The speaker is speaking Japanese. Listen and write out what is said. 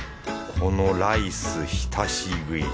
このライス浸し食い。